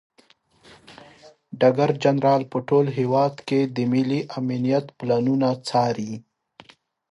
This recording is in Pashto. ډګر جنرال په ټول هیواد کې د ملي امنیت پلانونه څاري.